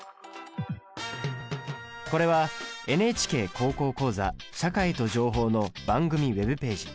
これはＮＨＫ高校講座「社会と情報」の番組Ｗｅｂページ。